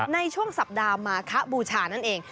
ในช่วงสัปดาห์มาคะบูชานั่นเอง